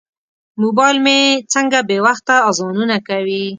موبایل مې څنګه بې وخته اذانونه کوي.